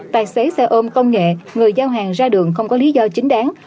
tài xế xe ôm công nghệ người giao hàng ra đường không có lý do chính đáng